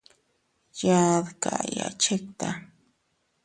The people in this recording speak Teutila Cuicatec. Yaa dkayya chikta.